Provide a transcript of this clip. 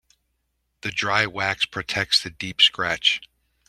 The dry wax protects the deep scratch.